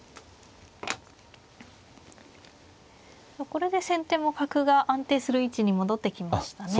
これで先手も角が安定する位置に戻ってきましたね。